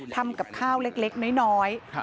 ทำกับข้าวเล็กน้อย